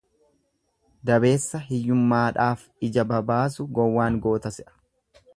Dabeessa hiyyummaadhaaf ija babaasu gowwaan goota se'a.